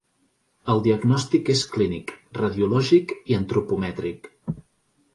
El diagnòstic és clínic, radiològic i antropomètric.